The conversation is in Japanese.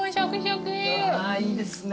いいですね。